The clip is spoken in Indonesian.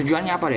tujuannya apa de